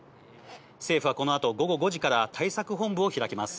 政府はこのあと午後５時から対策本部を開きます。